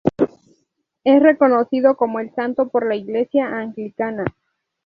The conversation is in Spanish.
Es reconocido como santo por la Iglesia anglicana.